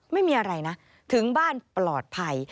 ไม่มีอะไรนะถึงบ้านปลอดภัย